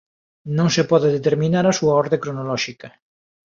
Non se pode determinar a súa orde cronolóxica.